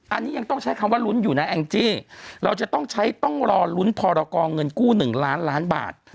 อันนี้ยังต้องใช้คำว่าลุ้นอยู่นะแองจี้เราจะต้องใช้ต้องรอลุ้นพรกรเงินกู้๑ล้านล้านบาท